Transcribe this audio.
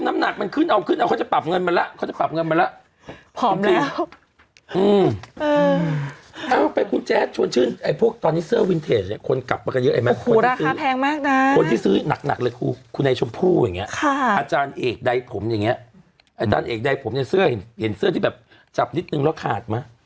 อาจารย์เอกไดผมอายจารย์เอกไดผมเนี้ยเสื้อที่แบบจับนิดนึงแล้วขาดมา